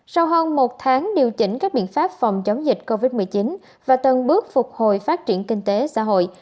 sau hơn một tháng điều chỉnh các biện pháp phòng chống dịch covid một mươi chín và từng bước phục hồi phát triển kinh tế xã hội